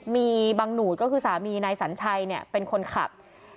มีบังหนูดก็คือสามีนายสัญชัยเป็นคนขับ